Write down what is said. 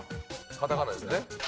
カタカナですよね。